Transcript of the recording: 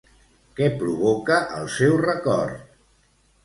Què provoca el seu record?